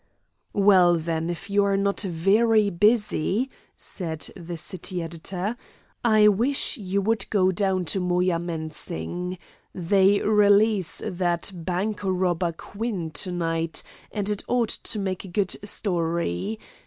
"Well, then, if you are not very busy," said the city editor, "I wish you would go down to Moyamensing. They release that bank robber Quinn to night, and it ought to make a good story.